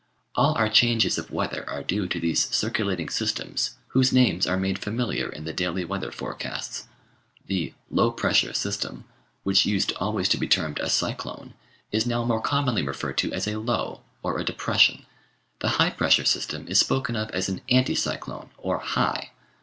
All our changes of weather are due to these circulating systems whose names are made familiar in the daily weather forecasts: the "low pressure system," which used always to be termed a "cyclone," is now more commonly referred to as a "low," or a "depression." The high pressure system is spoken of as an "anticyclone" or "high."